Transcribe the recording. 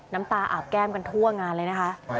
น้ำตาอาบแก้มกันทั่วงานเลยนะคะ